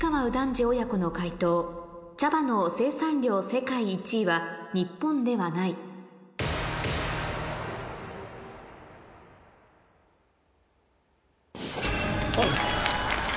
次親子の解答茶葉の生産量世界１位は日本ではないおっ！